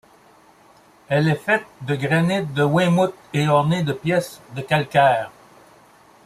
Elle est faite de granit de Weymouth et ornée de pièces de calcaire.